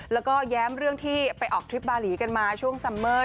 แล้วก็แย้มเรื่องที่ไปออกทริปบาหลีกันมาช่วงซัมเมอร์